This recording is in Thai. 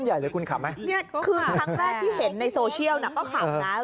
ใหญ่เลยคุณขำไหมคุณขำแน่คุณขำแน่คือครั้งแรกที่เห็นในโซเชียลก็ขำนะ